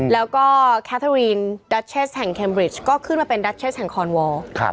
แล้วก็แคทอรีนดัชเชสแห่งเคมบริชก็ขึ้นมาเป็นดัชเชสแห่งคอนวอล